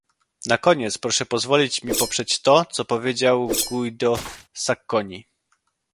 Na koniec proszę pozwolić mi poprzeć to, co powiedział Guido Sacconi